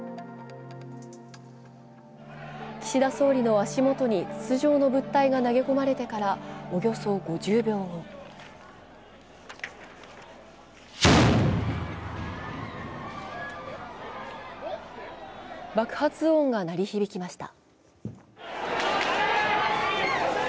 岸田総理の足下に筒状の物体が投げ込まれてからおよそ５０秒後爆発音が鳴り響きました。